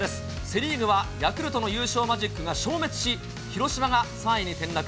セ・リーグはヤクルトの優勝マジックが消滅し、広島が３位に転落。